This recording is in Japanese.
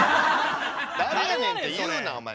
誰やねんって言うなお前。